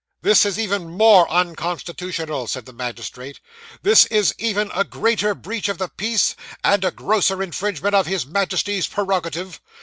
'This is even more unconstitutional,' said the magistrate; 'this is even a greater breach of the peace, and a grosser infringement of his Majesty's prerogative.